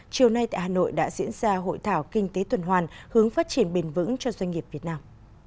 chiều nay tại hà nội đã diễn ra hội thảo kinh tế tuần hoàn hướng phát triển bền vững cho doanh nghiệp việt nam